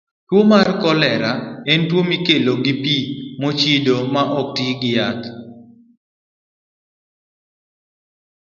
Tuwo mar kolera en tuwo mikelo gi pi mochido ma ok oti gi yath.